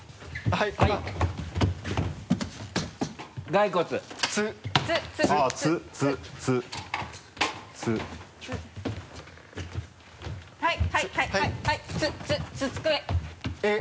はいはい。